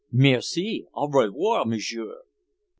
"Merci! Au revoir, monsieur!"